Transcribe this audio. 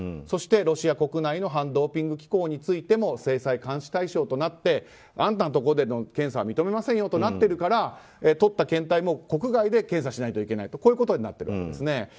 そして、ロシア国内の反ドーピング機構についても制裁、監視対象となってあんたのところでの検査は認めませんよとなっているから取った検体も国外で検査しないといけないことになっているわけですね。